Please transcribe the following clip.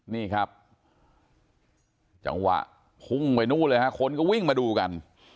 นี่ครับจังหวะพุ่งไปนู่นเลยฮะคนก็วิ่งมาดูกัน